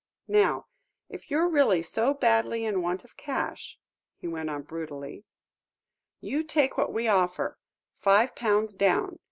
Now if you're really so badly in want of cash," he went on brutally, "you take what we offer five pounds down.